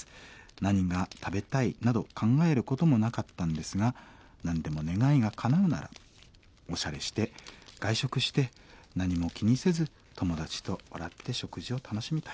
何が食べたいなど考えることもなかったんですが何でも願いがかなうならおしゃれして外食して何も気にせず友達と笑って食事を楽しみたいです」。